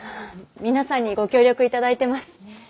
皆さんにご協力頂いてます。